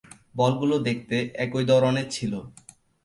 বলগুলো দেখতে একই ধরনের ছিল।